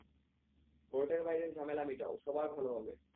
কোর্টের বাইরের ঝামেলা মিটাও, সবার ভালো হবে।